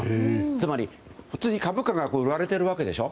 つまり、普通に株価が売られているわけでしょ。